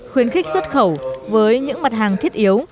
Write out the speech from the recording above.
khuyến khích xuất khẩu với những mặt hàng thiết yếu